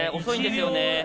遅いんですよね。